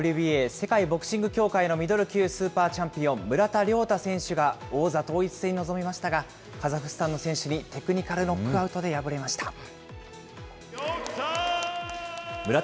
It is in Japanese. ＷＢＡ・世界ボクシング協会のミドル級スーパーチャンピオン、村田諒太選手が、王座統一戦に臨みましたが、カザフスタンの選手にテクニカルノックアウトで敗れました。